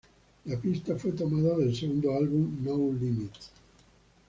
La pista fue tomada del segundo álbum "No Limits".